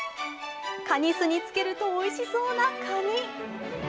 カニ酢につけるとおいしそうなカニ。